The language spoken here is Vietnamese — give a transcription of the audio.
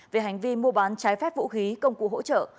về hành vi mua bán trái phép vũ khí công cụ hỗ trợ